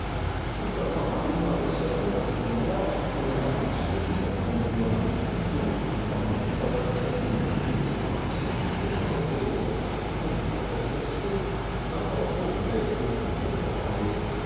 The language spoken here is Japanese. ですから、まず今ロシアが目指しているのは昨年秋に招集した３０万人と引っ張り出してきた古い予備兵器とか新規に生産した兵器を使って戦力を再建して、何とか東部で大きな成果を上げようとする。